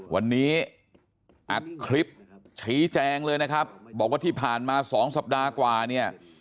วันนี้อัดคลิปชี้แจงเลยนะครับบอกว่าที่ผ่านมา๒สัปดาห์กว่าเนี่ย